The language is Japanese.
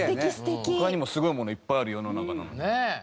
他にもすごいものいっぱいある世の中なのに。